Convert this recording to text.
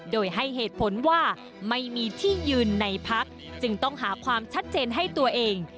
โดยให้เหตุผลว่าไม่มีที่ยืนในพักจึงต้องหาความชัดเจนให้ตัวเอง